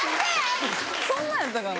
そんなやったかな？